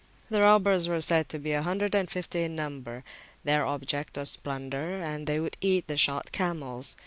The robbers were said to be a hundred and fifty in number; their object was plunder, and they would eat the shot camels.